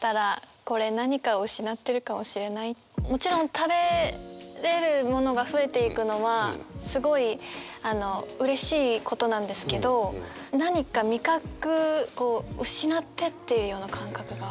もちろん食べれるものが増えていくのはすごいうれしいことなんですけど何か味覚失ってっているような感覚が。